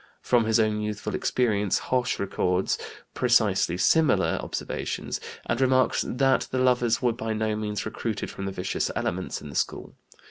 From his own youthful experience Hoche records precisely similar observations, and remarks that the lovers were by no means recruited from the vicious elements in the school.